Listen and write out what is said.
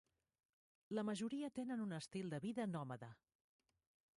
La majoria tenen un estil de vida nòmada.